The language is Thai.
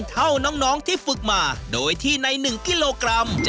ดึงครับดึงไว้เลยครับ